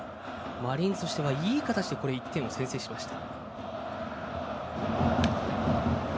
マリーンズとしてはいい形で１点を先制しました。